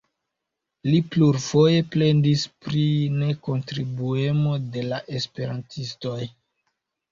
Li plurfoje plendis pri nekontribuemo de la esperantistoj.